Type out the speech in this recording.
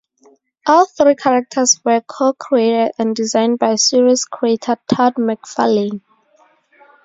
All three characters were co-created and designed by series creator Todd McFarlane.